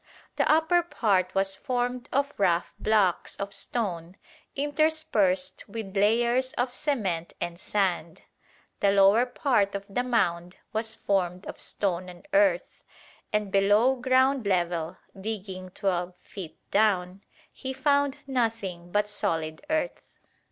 The upper part was formed of rough blocks of stone interspersed with layers of cement and sand. The lower part of the mound was formed of stone and earth, and below ground level, digging 12 feet down, he found nothing but solid earth.